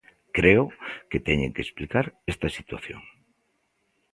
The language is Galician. Creo que teñen que explicar esta situación.